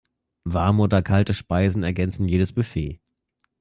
Warme oder kalte Speisen ergänzen jedes Buffet.